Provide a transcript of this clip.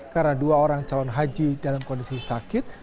karena dua orang calon haji dalam kondisi sakit